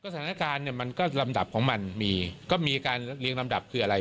สถานการณ์เนี่ยมันก็ลำดับของมันมีก็มีการเรียงลำดับคืออะไร